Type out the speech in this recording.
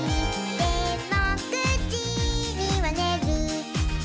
「でも９じにはねる」